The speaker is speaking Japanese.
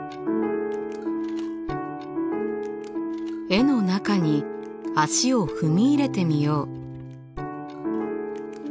絵の中に足を踏み入れてみよう。